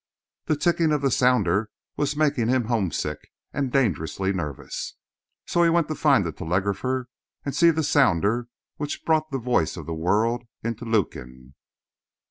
The ticking of the sounder was making him homesick and dangerously nervous, so he went to find the telegrapher and see the sounder which brought the voice of the world into Lukin.